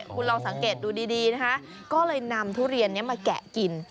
คุณลองสังเกตดูดีนะคะก็เลยนำทุเรียนนี้มาแกะกิน